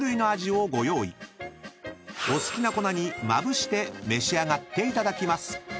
［お好きな粉にまぶして召し上がっていただきます］